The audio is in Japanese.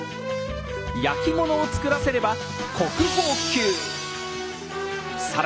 焼き物を作らせれば国宝級！